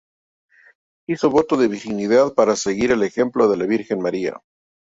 Hizo voto de virginidad, para seguir el ejemplo de la Virgen María.